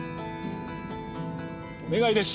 お願いです